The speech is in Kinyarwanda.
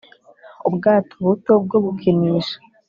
ubwato buto bwo gukinisha,